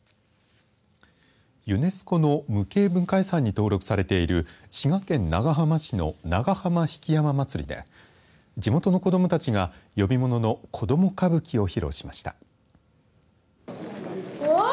ユネスコの無形文化遺産に登録されている滋賀県長浜市の長浜曳山祭で地元の子どもたちが呼びものの子ども歌舞伎を披露しました。